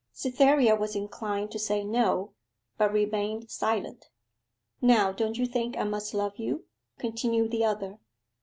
Cytherea was inclined to say no, but remained silent. 'Now, don't you think I must love you?' continued the other.